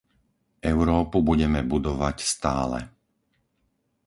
Európu budeme budovať stále.